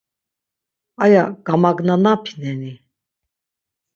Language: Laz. Aya gamagnanapineni?